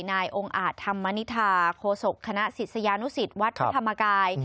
นายองค์อาจธรรมนิษฐาโคศกคณะศิษยานุสิตวัดพระธรรมกาย